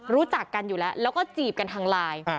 รู้จักกันอยู่แล้วแล้วก็จีบกันทางไลน์